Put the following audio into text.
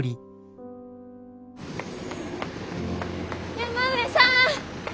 山辺さん。